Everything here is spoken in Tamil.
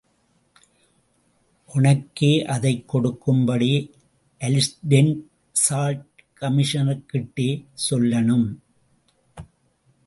ஒனக்கே அதைக் கொடுக்கும்படி... அலிஸ்டெண்ட் சால்ட் கமிஷனர்கிட்டே சொல்லணும்.